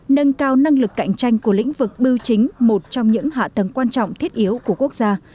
nâng cao năng lực cạnh tranh của lĩnh vực biểu chính một trong những hạ tầng quan trọng thiết yếu của quốc gia